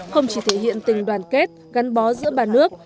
không chỉ thể hiện tình đoàn kết gắn bó giữa ba nước